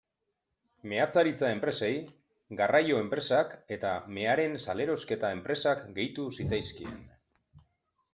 Meatzaritza enpresei, garraio enpresak eta mearen salerosketa enpresak gehitu zitzaizkien.